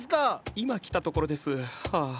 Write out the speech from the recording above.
今来たところですハア。